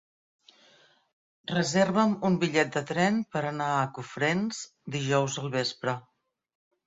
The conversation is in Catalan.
Reserva'm un bitllet de tren per anar a Cofrents dijous al vespre.